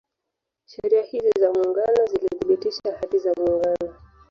Sheria hizi za Muungano zilithibitisha Hati za Muungano